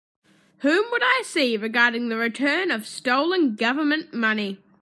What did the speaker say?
Whom would I see regarding the return of stolen Government money?